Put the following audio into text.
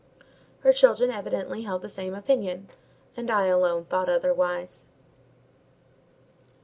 Her children evidently held the same opinion, and I alone thought otherwise.